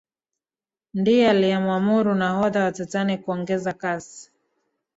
ndiye aliyemwamuru nahodha wa titanic kuongeza kasi